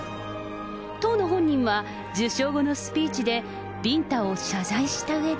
当の本人は、受賞後のスピーチでビンタを謝罪したうえで。